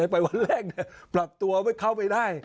ไปวันแรกเนี่ยปรับตัวเข้าไปได้